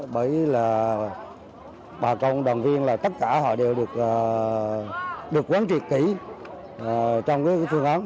bởi vì là bà con đoàn viên là tất cả họ đều được quán truyệt kỹ trong cái phương án